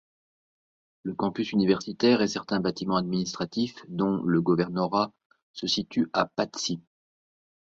Le campus universitaire et certains bâtiments administratifs, dont le gouvernorat, se situent à Patsy.